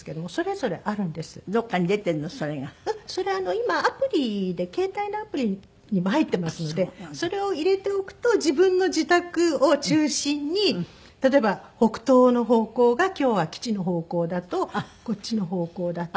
今アプリで携帯のアプリにも入ってますのでそれを入れておくと自分の自宅を中心に例えば北東の方向が今日は吉の方向だとこっちの方向だっていう事で。